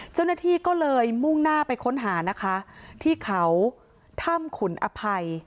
เจ้าหน้าที่ก็เลยมุ่งหน้าไปค้นหานะคะที่เขาถ้ำขุนอภัย